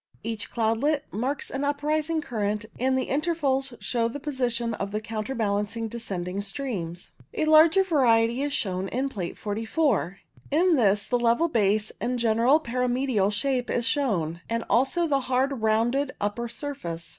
Each cloudlet marks an up rising current, and the intervals show the position of the counterbalancing descending streams. A larger variety is shown in Plate 44. In this the level base and generally pyramidal shape is shown, and also the hard, rounded upper surface.